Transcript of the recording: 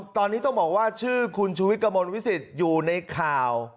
ตอนนี้ต้องบอกว่าชื่อคุณชูวิทย์กระมวลวิสิตอยู่ในข่าว